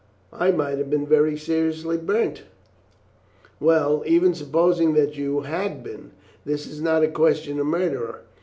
"I might have been very seriously burnt." "Well, even supposing that you had been, that is not a question of murder.